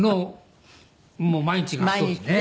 もう毎日がそうですね。